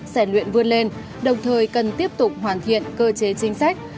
sẻ luyện vươn lên đồng thời cần tiếp tục hoàn thiện cơ chế chính sách